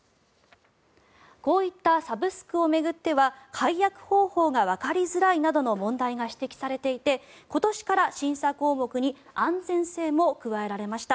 こういったサブスクを巡っては解約方法がわかりづらいなどの問題が指摘されていて今年から審査項目に安全性も加えられました。